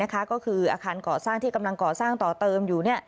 ก็คืออาคารก่อสร้างที่กำลังก่อสร้างต่อเติมอยู่